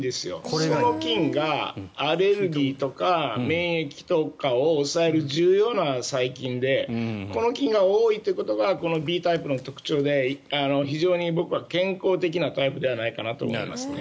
その菌がアレルギーとか免疫とかを抑える重要な細菌でこの菌が多いということがこのＢタイプの特徴で非常に僕は健康的なタイプではないかと思っています。